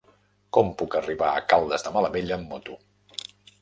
Com puc arribar a Caldes de Malavella amb moto?